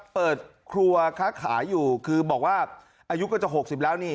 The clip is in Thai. เปิดครัวค้าขายอยู่คือบอกว่าอายุก็จะ๖๐แล้วนี่